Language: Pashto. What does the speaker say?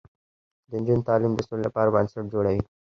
د نجونو تعلیم د سولې لپاره بنسټ جوړوي.